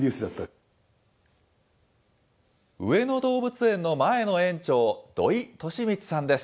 上野動物園の前の園長、土居利光さんです。